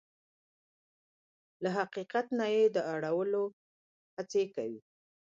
له حقیقت نه يې د اړولو هڅې کوي.